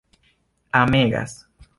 amegas